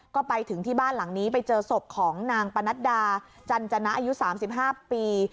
ก็ไปถึงที่บ้านหลังนี้ไปเจอศพของนางปนัดดาจันจนะอายุ๓๕ปี